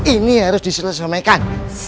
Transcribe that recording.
ini harus diselesaikan